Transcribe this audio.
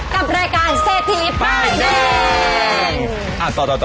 กับรายการเซธีลิปป้ายแดง